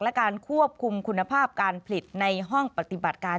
และการควบคุมคุณภาพการผลิตในห้องปฏิบัติการ